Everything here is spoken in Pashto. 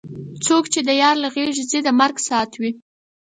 څوک چې یار له غېږې ځي د مرګ ساعت وي.